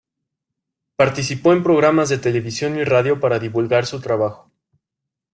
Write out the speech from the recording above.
Participó en programas de televisión y radio para divulgar su trabajo.